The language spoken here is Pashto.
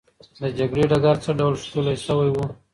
د جګړې ډګر څه ډول ښکلی سوی وو؟